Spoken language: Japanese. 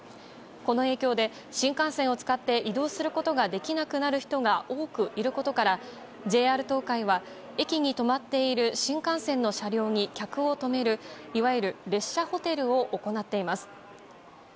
この影響で、新幹線を使って移動することができなくなる人が多くいることからＪＲ東海は駅に止まっている新幹線の車両に客を泊めるいわゆる、列車ホテルを行っています。